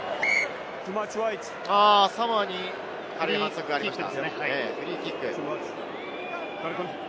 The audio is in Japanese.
サモアに軽い反則がありました。